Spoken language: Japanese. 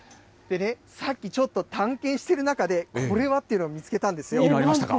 さっき、ちょっと探検してる中で、これはっていうのを見つけたんでいいのありましたか？